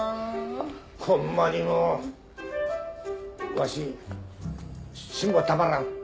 わし辛抱たまらん。